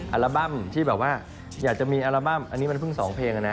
อัลบั้มที่แบบว่าอยากจะมีอัลบั้มอันนี้มันเพิ่ง๒เพลงนะ